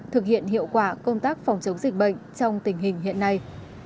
thực hiện hiệu quả công tác phòng chống dịch bệnh trong tình hình hiện nay